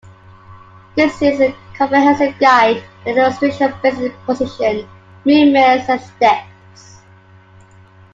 This is a comprehensive guide, with illustrations of basic positions, movements, and steps.